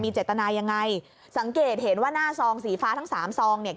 เจตนายังไงสังเกตเห็นว่าหน้าซองสีฟ้าทั้งสามซองเนี่ย